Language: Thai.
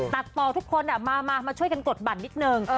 ตัดต่อทุกคนมามาช่วยกันกดบัตรนิดนึง